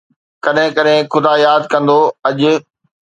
ڪڏھن ڪڏھن خدا ياد ڪندو اڄ